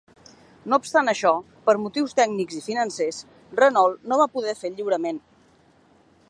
No obstant això, per motius tècnics i financers, Renault no va poder fer el lliurament.